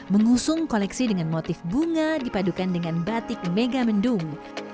mengusung koleksi dengan motif bunga dipadukan dengan batik megamendung